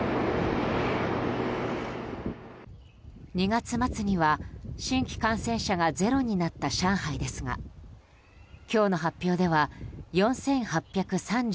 ２月末には新規感染者が０になった上海ですが今日の発表では４８３１人。